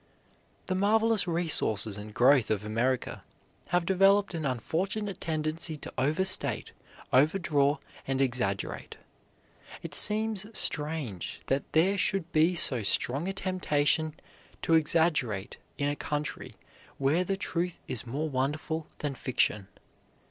The marvelous resources and growth of America have developed an unfortunate tendency to overstate, overdraw, and exaggerate. It seems strange that there should be so strong a temptation to exaggerate in a country where the truth is more wonderful than fiction.